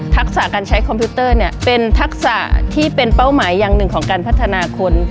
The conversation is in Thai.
ทักษะการใช้คอมพิวเตอร์เนี่ยเป็นทักษะที่เป็นเป้าหมายอย่างหนึ่งของการพัฒนาคน